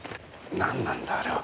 なんなんだあれは。